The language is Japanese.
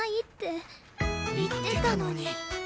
言ってたのに